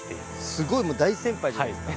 すごいもう大先輩じゃないですか。